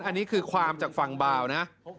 อันนี้คือความจากฝั่งบาวนะ